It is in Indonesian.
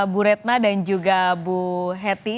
bu retna dan juga bu hetty